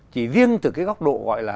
chỉ riêng từ cái góc độ gọi là